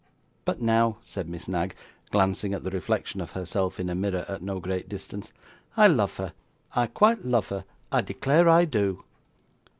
'But now,' said Miss Knag, glancing at the reflection of herself in a mirror at no great distance, 'I love her I quite love her I declare I do!